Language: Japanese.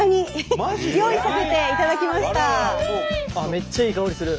めっちゃいい香りする。